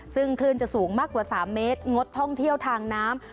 ซึ่งคลื่นจะสูงมากกว่า๓เมตรงดท่องเที่ยวทางน้ำ